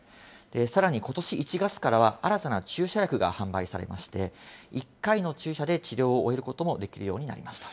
さらに、ことし１月からは、新たな注射薬が販売されまして、１回の注射で治療を終えることもできるようになりました。